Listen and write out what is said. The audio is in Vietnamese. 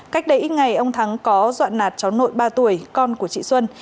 cách đấy ông thắng có doạn nạt chó nội ba tuổi con của chị xuân